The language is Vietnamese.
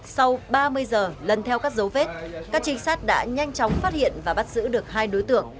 sau ba mươi giờ lần theo các dấu vết các trinh sát đã nhanh chóng phát hiện và bắt giữ được hai đối tượng